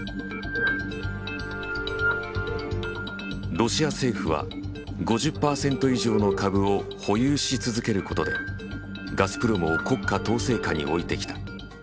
ロシア政府は５０％以上の株を保有し続けることでガスプロムを国家統制下に置いてきた。